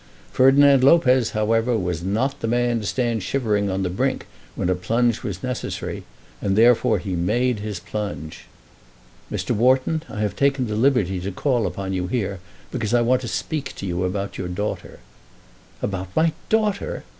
Ferdinand Lopez, however, was not the man to stand shivering on the brink when a plunge was necessary, and therefore he made his plunge. "Mr. Wharton, I have taken the liberty to call upon you here, because I want to speak to you about your daughter." "About my daughter!"